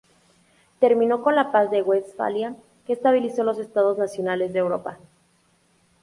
Terminó con la Paz de Westfalia, que estabilizó los estados nacionales de Europa.